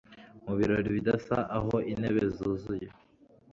Mu birori bidasa aho intebe zuzuye